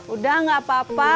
udah gak apa apa